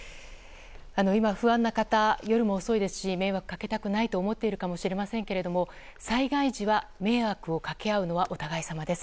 今、不安な方夜も遅いですし迷惑をかけたくないと思っているかもしれませんが災害時は迷惑をかけ合うのはお互い様です。